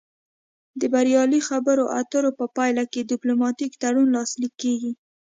د بریالۍ خبرو اترو په پایله کې ډیپلوماتیک تړون لاسلیک کیږي